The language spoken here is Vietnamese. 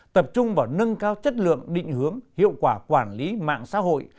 tập trung vào nâng cao chất lượng định hướng hiệu quả quản lý mạng xã hội